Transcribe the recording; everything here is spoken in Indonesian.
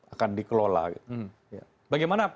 akan dikelola bagaimana